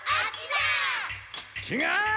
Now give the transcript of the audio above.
ちがう！